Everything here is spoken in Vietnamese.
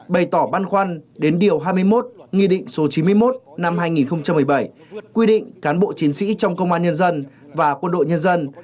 bày tỏ băn khoăn đến điều hai mươi một nghị định số chín mươi một năm hai nghìn một mươi bảy quy định cán bộ chiến sĩ trong công an nhân dân và quân đội nhân dân